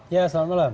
ya selamat malam